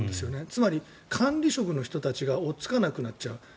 つまり、管理職の人たちが追いつかなくなっちゃう。